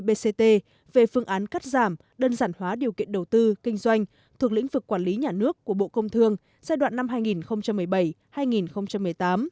bộ công thương đề xuất cắt giảm đơn giản hóa điều kiện đầu tư kinh doanh thuộc lĩnh vực quản lý nhà nước của bộ công thương giai đoạn năm hai nghìn một mươi bảy hai nghìn một mươi tám